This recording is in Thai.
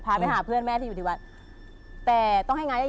พาไปหาเพื่อนแม่ที่อยู่ที่วัดแต่ต้องให้งานได้